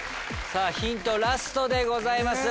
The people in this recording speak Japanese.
ヒントラストでございます。